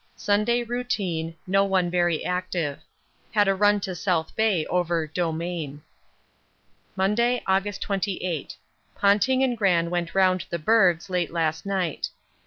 Sunday routine, no one very active. Had a run to South Bay over 'Domain.' Monday, August 28. Ponting and Gran went round the bergs late last night.